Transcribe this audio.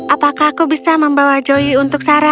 apakah aku bisa membawa joey untuk sarapan